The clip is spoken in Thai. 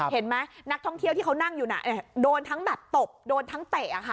เห็นไหมนักท่องเที่ยวที่เขานั่งอยู่น่ะโดนทั้งแบบตบโดนทั้งเตะค่ะ